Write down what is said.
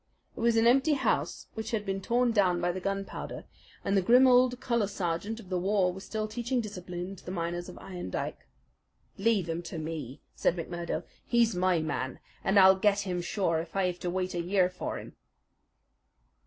It was an empty house which had been torn down by the gunpowder, and the grim old colour sergeant of the war was still teaching discipline to the miners of Iron Dike. "Leave him to me," said McMurdo. "He's my man, and I'll get him sure if I have to wait a year for him."